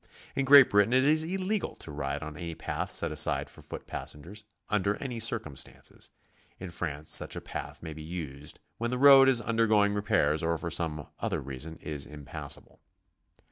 In Great Britain it is illegal to ride on any path set aside for foot passengers, under any circumstances; in France such a path may be used when the BICYCLE TOURING. 117 road is undergoing repairs or for some o th'er reason is im passable.